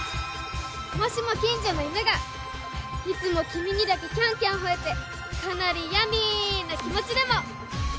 もしも近所の犬がいつもキミにだけキャンキャン吠えてかなりヤミーな気持ちでも！